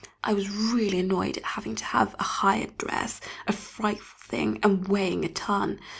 I was really annoyed at having to have a hired dress, a frightful thing, and weighing a ton.